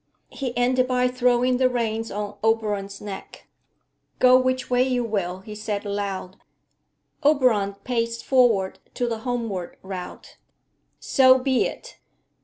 He ended by throwing the reins on Oberon's neck. 'Go which way you will,' he said aloud. Oberon paced forward to the homeward route. 'So be it.